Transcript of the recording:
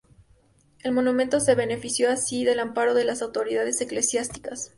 El monumento se benefició así del amparo de las autoridades eclesiásticas.